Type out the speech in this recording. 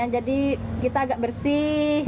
jadi kita agak bersih